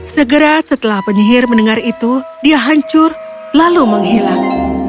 segera setelah penyihir mendengar itu dia hancur lalu menghilang